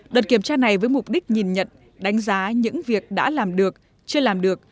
đợt kiểm tra này với mục đích nhìn nhận đánh giá những việc đã làm được chưa làm được